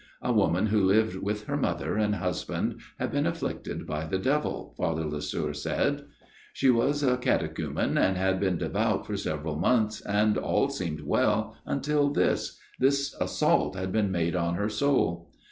A woman who lived with her mother and husband had been afflicted by the devil, Father Lasserre said. She was a catechumen, and had been devout for several months and all seemed well, until this this assault had been made on her soul.